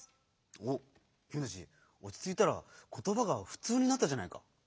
おっきみたちおちついたらことばがふつうになったじゃないか。